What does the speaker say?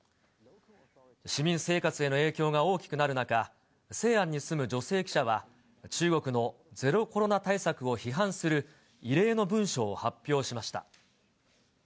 市民生活への影響が大きくなる中、西安に住む女性記者は、中国のゼロコロナ対策を批判する異例の文章を発表しました。